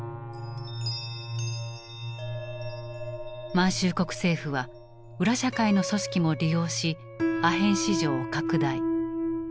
満州国政府は裏社会の組織も利用しアヘン市場を拡大。